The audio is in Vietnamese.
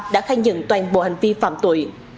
đã khai nhận toàn bộ hành vi phạm tội